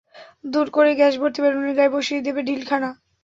দুম করে গ্যাসভর্তি বেলুনের গায়ে বসিয়ে দেবে ঢিলখানা।